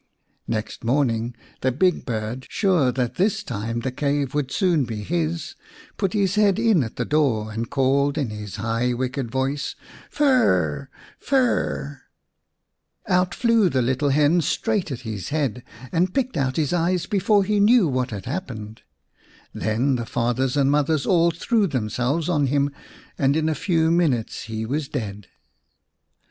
Next morning the big bird, sure that this time the cave would soon be his, put his head in at the door and called in his high wicked voice, " Fir r r r ! Fir r r r !" Out flew the little hen straight at his head and picked out his eyes before he knew what had happened. Then the fathers and mothers all threw themselves on him and in a few minutes he was dead.